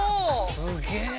すげえな。